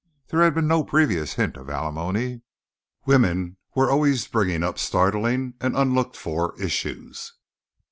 There had been no previous hint of alimony. Women were always bringing up startling and unlooked for issues.